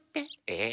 え？